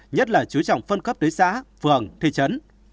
nhất là chú trọng phân cấp tới xã phường thị trấn